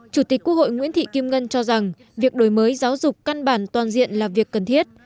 chủ tịch quốc hội nguyễn thị kim ngân cho rằng việc đổi mới giáo dục căn bản toàn diện là việc cần thiết